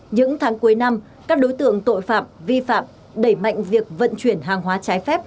những tháng cuối năm các đối tượng tội phạm vi phạm đẩy mạnh việc vận chuyển hàng hóa trái phép